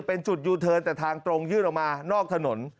เป็นจุดยูเทิร์นแต่ทางตรงยื่นออกมานอกถนน